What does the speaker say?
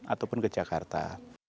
ataupun ke jakarta